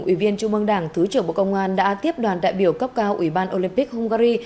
ủy viên trung mương đảng thứ trưởng bộ công an đã tiếp đoàn đại biểu cấp cao ủy ban olympic hungary